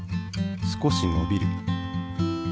少しのびる。